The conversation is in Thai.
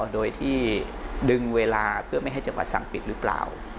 โดยที่ดึงเวลาเพื่อไม่ให้จังหวัดสั่งปิดหรือเปล่า